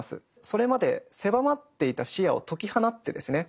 それまで狭まっていた視野を解き放ってですね